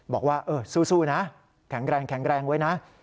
บอกว่าเออสู้นะแข็งแรงไว้นะ